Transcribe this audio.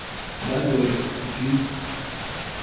Да, говорит, купил.